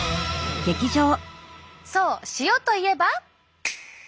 そう塩といえば。